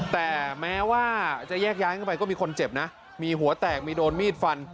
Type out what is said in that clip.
แต่แม้ว่าจะแยกย้ายกันไปก็มีคนเจ็บนะมีหัวแตกมีโดนมีดฟัน